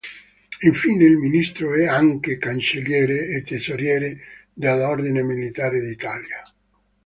Infine, il ministro è anche "cancelliere" e "tesoriere" dell'Ordine militare d'Italia.